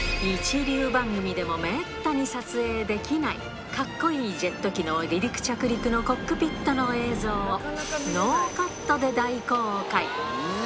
一流番組でもめったに撮影できない、カッコイイジェット機の離陸・着陸のコックピットの映像をノーカットで大公開。